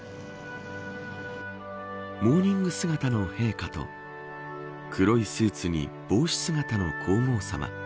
モーニング姿の陛下と黒いスーツに帽子姿の皇后さま。